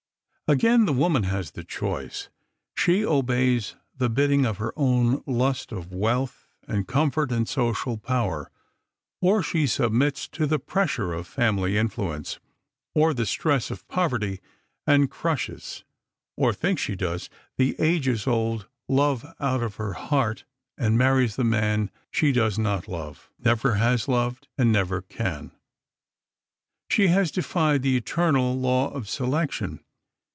Again the woman has the choice. She obeys the bidding of her own lust of wealth and comfort and social power, or she submits to the pressure of family influence, or the stress of poverty, and crushes or thinks she does the ages old love out of her heart and marries the man she does not love, never has loved, and never can. She has defied the eternal Law of Selection.